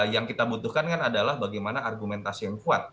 yang kita butuhkan kan adalah bagaimana argumentasi yang kuat